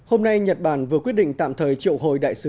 hôm nay nhật bản vừa quyết định tạm thời triệu hồi đại sứ